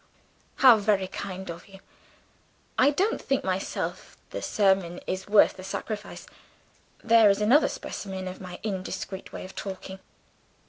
"How very kind of you. I don't think myself the sermon is worth the sacrifice. (There is another specimen of my indiscreet way of talking!)